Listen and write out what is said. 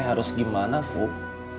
cetek harus gimana pup